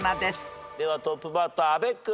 ではトップバッター阿部君。